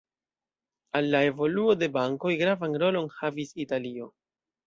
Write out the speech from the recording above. Al la evoluo de bankoj gravan rolon havis Italio.